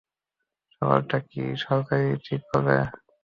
সবার টা কি সরকার ঠিক করবে?